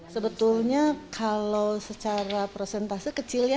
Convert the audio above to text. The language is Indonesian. sebetulnya kalau secara prosentase kecil ya